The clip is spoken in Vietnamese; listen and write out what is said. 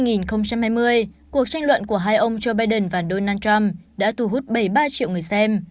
năm hai nghìn hai mươi cuộc tranh luận của hai ông joe biden và donald trump đã thu hút bảy mươi ba triệu người xem